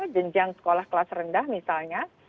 jenjang sekolah kelas rendah misalnya